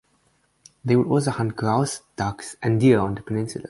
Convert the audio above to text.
They would also hunt grouse, ducks, and deer on the peninsula.